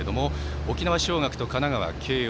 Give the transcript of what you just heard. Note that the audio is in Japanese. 沖縄尚学と神奈川、慶応。